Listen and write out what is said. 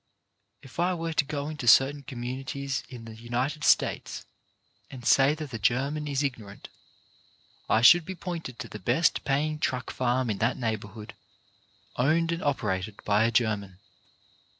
If I were to go into certain communities in the United States and say that the German is ignorant, I should be pointed to the best paying truck farm in that neighbourhood, owned and operated by a German.